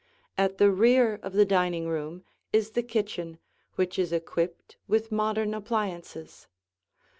At the rear of the dining room is the kitchen which is equipped with modern appliances.